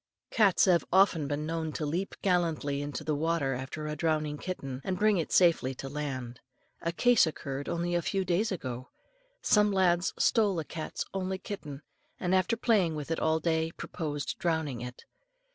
Cats have been often known to leap gallantly into the water after a drowning kitten, and bring it safely to land. A case occurred only a few days ago. Some lads stole a cat's only kitten, and after playing with it all day, proposed drowning it.